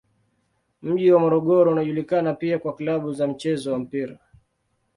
Mji wa Morogoro unajulikana pia kwa klabu za mchezo wa mpira.